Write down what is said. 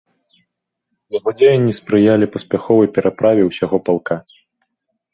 Яго дзеянні спрыялі паспяховай пераправе ўсяго палка.